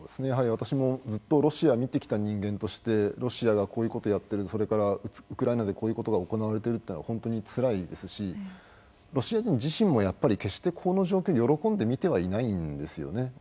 私もずっとロシアを見てきた人間としてロシアがこういうことをやっているそれからウクライナで、こういうことが行われているというのは本当につらいですしロシア軍自身も決してこの状況を喜んで見てはいないんですね。